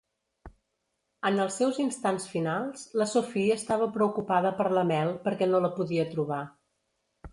En els seus instants finals, la Sophie estava preocupada per la Mel, perquè no la podia trobar.